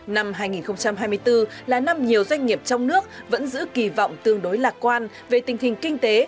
năm hai nghìn hai mươi bốn là năm nhiều doanh nghiệp trong nước vẫn giữ kỳ vọng tương đối lạc quan về tình hình kinh tế